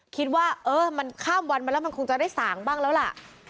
คิดว่าเออมันข้ามวันมาแล้วมันคงจะได้สางบ้างแล้วล่ะ